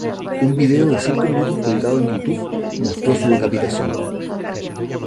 Un vídeo de cinco minutos colgado en Youtube mostró su decapitación.